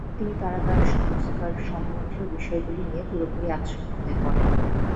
তিনি কারাগার সংস্কার সম্বন্ধীয় বিষয়গুলি নিয়ে পুরোপুরি আচ্ছন্ন হয়ে পড়েন।